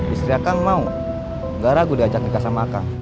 istri kang mau gak ragu diajak nikah sama kang